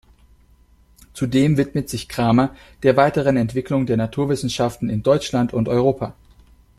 Zudem widmet sich Cramer der weiteren Entwicklung der Naturwissenschaften in Deutschland und Europa.